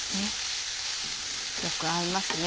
よく合いますね。